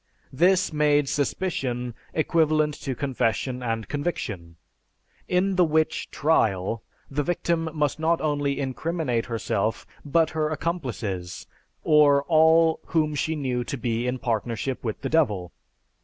This made suspicion equivalent to confession and conviction. In the witch "trial" the victim must not only incriminate herself but her accomplices, or all whom she "knew" to be in partnership with the Devil.